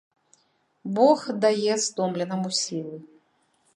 Бог дае стомленаму сілы.